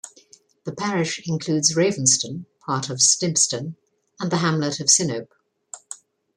The parish includes Ravenstone, part of Snibston and the hamlet of Sinope.